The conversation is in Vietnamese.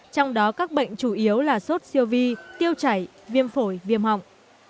trong đó các bệnh chủ yếu là sốt siêu vi tiêu chảy viêm phổi viêm họng